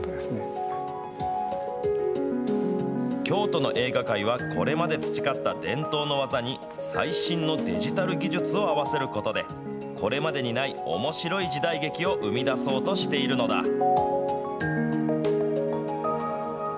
京都の映画界はこれまで培った伝統の技に、最新のデジタル技術を併せることで、これまでにないおもしろい時代劇を生み出そうとしているのだ。